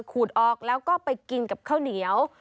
ขูดออกแล้วก็ไปกินกับข้าวเหนียว